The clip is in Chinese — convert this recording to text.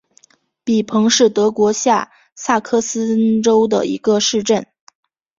比彭是德国下萨克森州的一个市镇。